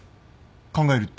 考えるって？